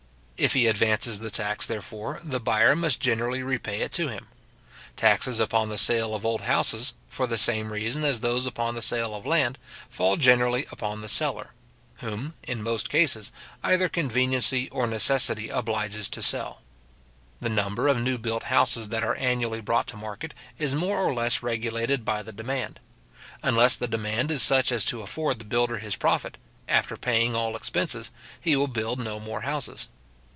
If he advances the tax, therefore, the buyer must generally repay it to him. Taxes upon the sale of old houses, for the same reason as those upon the sale of land, fall generally upon the seller; whom, in most cases, either conveniency or necessity obliges to sell. The number of new built houses that are annually brought to market, is more or less regulated by the demand. Unless the demand is such as to afford the builder his profit, after paying all expenses, he will build no more houses.